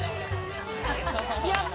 やった！